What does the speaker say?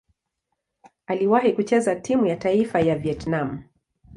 Aliwahi kucheza timu ya taifa ya Vietnam.